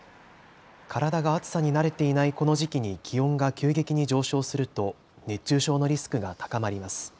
体が暑さに慣れていないこの時期に気温が急激に上昇すると熱中症のリスクが高まります。